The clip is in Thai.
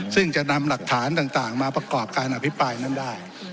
ซึ่งจะนำหลักฐานต่างมาประกอบการอภิปรายนั้นได้